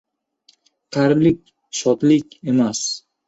• Qarilik ― shodlik emas.